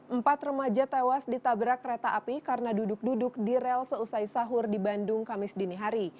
empat remaja tewas ditabrak kereta api karena duduk duduk di rel seusai sahur di bandung kamis dinihari